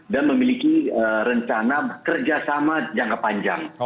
dan memiliki rencana kerjasama jangka panjang